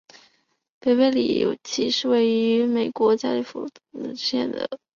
北贝里奇是位于美国加利福尼亚州克恩县的一个非建制地区。